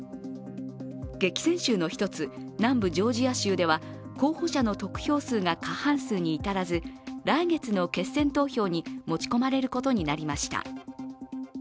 激戦州の１つ、南部ジョージア州では、候補者の得票数が過半数に至らず来月の決選投票に持ち込まれることになりました。